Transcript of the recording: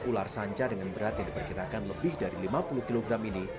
ular sanca dengan berat yang diperkirakan lebih dari lima puluh kg ini